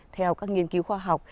theo các nghiên cứu khoa học